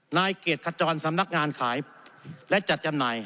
นายเกียรติขจรสำนักงานขายและจัดจำหน่าย